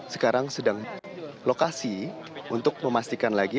sekarang sedang lokasi untuk memastikan lagi